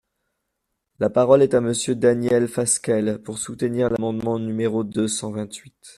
La parole est à Monsieur Daniel Fasquelle, pour soutenir l’amendement numéro deux cent vingt-huit.